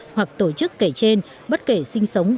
hoặc tổ chức kể trên bất kể sinh sống